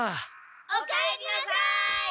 おかえりなさい！